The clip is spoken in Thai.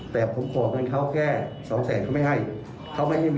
แต่ผมข่อเงินเขาแค่๒แสนเขาไม่ให้